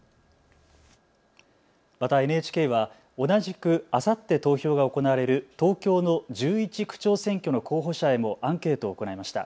またＮＨＫは同じくあさって投票が行われる東京の１１区長選挙の候補者へもアンケートを行いました。